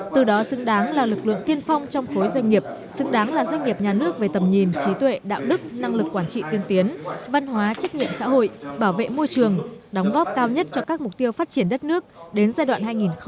từ đó xứng đáng là lực lượng tiên phong trong khối doanh nghiệp xứng đáng là doanh nghiệp nhà nước về tầm nhìn trí tuệ đạo đức năng lực quản trị tiên tiến văn hóa trách nhiệm xã hội bảo vệ môi trường đóng góp cao nhất cho các mục tiêu phát triển đất nước đến giai đoạn hai nghìn hai mươi một hai nghìn ba mươi